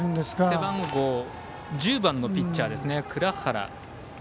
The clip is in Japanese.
背番号１０番のピッチャー藏原。